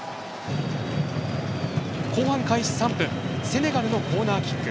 後半開始３分セネガルのコーナーキック。